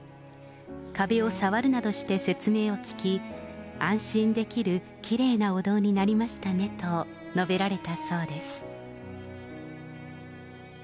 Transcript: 壁を触るなどして説明を聞き、安心できるきれいなお堂になりましたねと述べられたそうです。